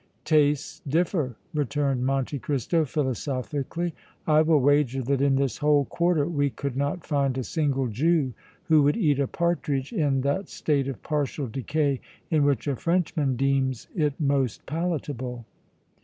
"Tastes differ," returned Monte Cristo, philosophically. "I will wager that in this whole quarter we could not find a single Jew who would eat a partridge in that state of partial decay in which a Frenchman deems it most palatable!"